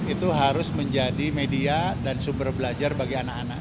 itu harus menjadi media dan sumber belajar bagi anak anak